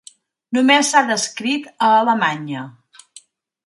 Només s'ha descrit a Alemanya.